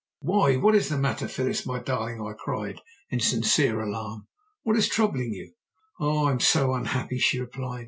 "Why! What is the matter, Phyllis, my darling?" I cried in sincere alarm. "What is troubling you?" "Oh, I am so unhappy," she replied.